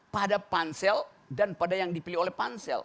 pada pansel dan pada yang dipilih oleh pansel